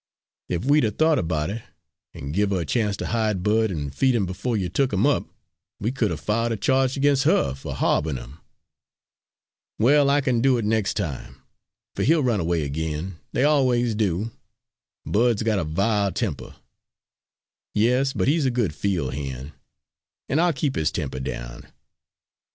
If we'd 'a' thought about it, an' give' her a chance to hide Bud and feed him befo' you took 'im up, we could 'a' filed a charge ag'inst her for harborin' 'im." "Well, I kin do it nex' time, fer he'll run away ag'in they always do. Bud's got a vile temper." "Yes, but he's a good field hand, and I'll keep his temper down.